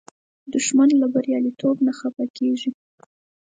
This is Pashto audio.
دښمن له بریالیتوب نه خفه کېږي